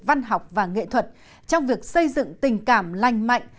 văn học và nghệ thuật trong việc xây dựng tình cảm lành mạnh